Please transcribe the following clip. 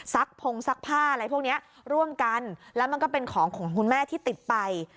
พงซักผ้าอะไรพวกเนี้ยร่วมกันแล้วมันก็เป็นของของคุณแม่ที่ติดไป